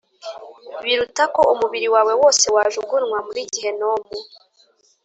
biruta ko umubiri wawe wose wajugunywa muri Gehinomu